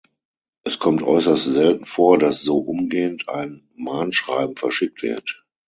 Es kommt äußerst selten vor, dass so umgehend ein Mahnschreiben verschickt wird.